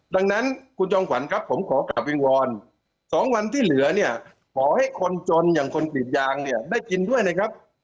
ดังนั้นคุณจอมขวัญครับผมขอกลับวิงวอน๒วันที่เหลือเนี่ยขอให้คนจนอย่างคนกรีดยางเนี่ยได้กินด้วยนะครับ